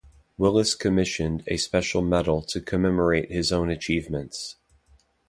Willis commissioned a special medal to commemorate his own achievements.